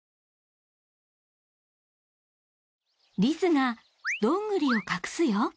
リスがどんぐりを隠すよ